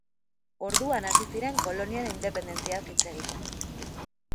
Orduan hasi ziren kolonien independentziaz hitz egiten.